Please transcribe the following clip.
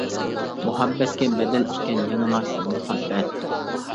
مۇھەببەتكە بەدەل ئىكەن يەنىلا شۇ مۇھەببەت.